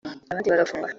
abandi bagafungwa